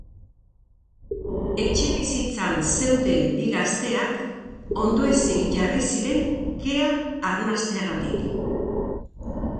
Etxebizitzan zeuden bi gazteak ondoezik jarri ziren kea arnasteagatik.